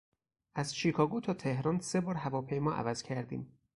از شیکاگو تا تهران سه بار هواپیما عوض کردیم.